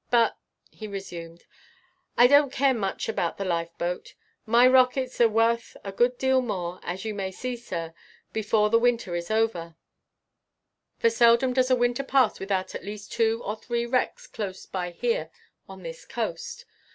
But," he resumed, "I don't care much about the life boat. My rockets are worth a good deal more, as you may see, sir, before the winter is over; for seldom does a winter pass without at least two or three wrecks close by here on this coast.